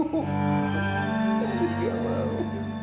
haris gak mau